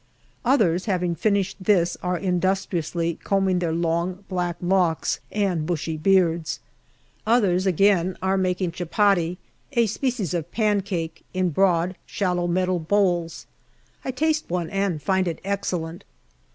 Others, having finished this, are industriously combing their long black locks and bushy beards. Others, again, are making chupatty, a species of pancake, in broad, shallow metal bowls I taste one and find it excellent.